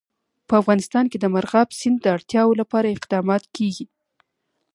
په افغانستان کې د مورغاب سیند د اړتیاوو لپاره اقدامات کېږي.